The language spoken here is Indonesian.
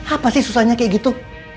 apa sih susahnya kayak gitu